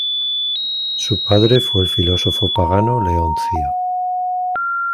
Su padre fue el filósofo pagano Leoncio.